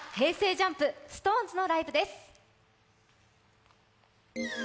ＪＵＭＰ、ＳｉｘＴＯＮＥＳのライブです。